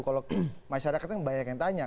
kalau masyarakat kan banyak yang tanya